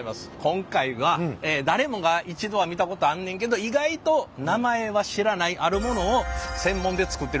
今回は誰もが一度は見たことあんねんけど意外と名前は知らないあるものを専門で作ってる日本唯一の工場らしい。